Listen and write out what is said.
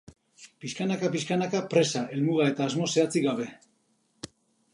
Piskanaka piskanaka, presa, helmuga eta asmo zehatzik gabe.